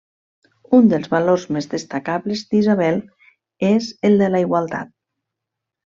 Un dels valors més destacables d’Isabel és el de la igualtat.